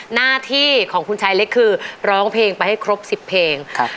หน้าที่ของคุณชายเล็กคือร้องเพลงไปให้ครบสิบเพลงครับ